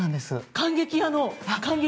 感激屋の感激。